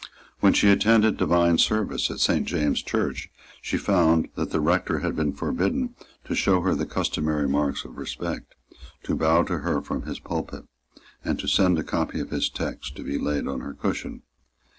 When she attended divine service at Saint James's Church she found that the rector had been forbidden to show her the customary marks of respect, to bow to her from his pulpit, and to send a copy of his text to be laid on her cushion.